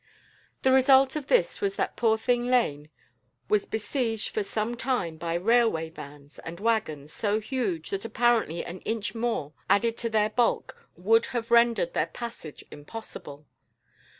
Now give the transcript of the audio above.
The result of this was that Poorthing Lane was besieged for some time by railway vans, and waggons so huge that apparently an inch more added to their bulk would have rendered their passage impossible.